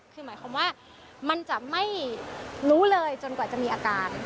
คือหมายความว่ามันจะไม่รู้เลยจนกว่าจะมีอาการ